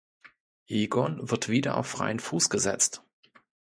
Egon wird wieder auf freien Fuß gesetzt.